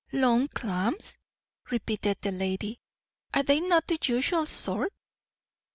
"Long clams," repeated the lady. "Are they not the usual sort?"